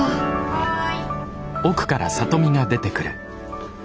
・はい。